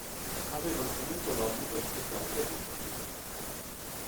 Avevano comunque l'obbligo di prestare servizio militare.